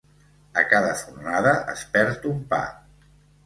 A cada fornada es perd un pa.